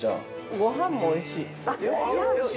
◆ごはんもおいしい。